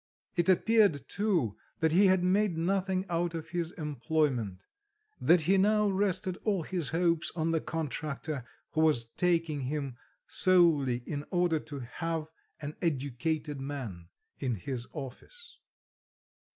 It appeared, too, that he had made nothing out of his employment, that he now rested all his hopes on the contractor who was taking him solely in order to have an "educated man" in his office.